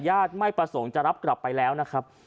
ญาติไม่ประสงค์จะรับกลับไปแล้วนะครับ